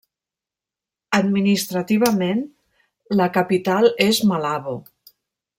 Administrativament la capital és Malabo.